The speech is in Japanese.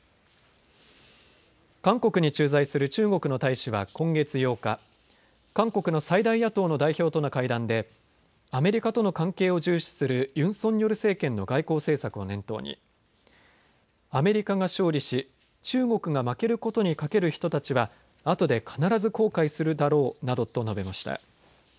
韓国に駐在する中国の大使は今月８日韓国の最大野党の代表との会談でアメリカとの関係を重視するユン・ソンニョル政権の外交政策を念頭にアメリカが勝利し中国が負けることに懸ける人たちはあとで必ず後悔するだろうなどと述べました。